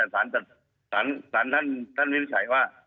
สารท่านวินิจฉัยว่า